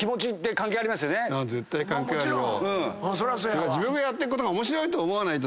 絶対関係あるよ。